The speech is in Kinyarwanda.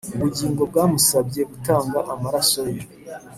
ubugingo bwamusabye gutanga amaraso ye